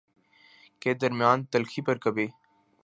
کے درمیان تلخی پر کبھی